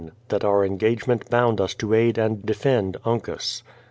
That our engagement bound us to aid and defend Uncas.